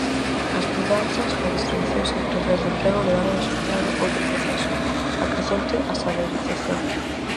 As mudanzas na distribución sectorial do emprego levaron asociado outro proceso: a crecente asalarización.